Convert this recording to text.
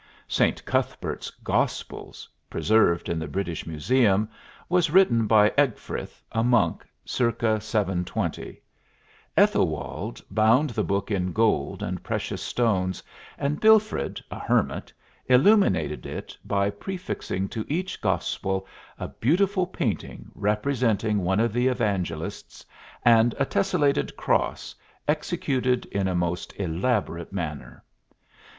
St. Cuthbert's "Gospels," preserved in the British Museum, was written by Egfrith, a monk, circa 720; Aethelwald bound the book in gold and precious stones, and Bilfrid, a hermit, illuminated it by prefixing to each gospel a beautiful painting representing one of the Evangelists, and a tessellated cross, executed in a most elaborate manner.